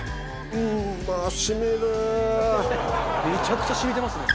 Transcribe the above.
めちゃくちゃ染みてますね。